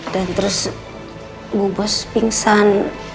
dan terus bu bos pingsan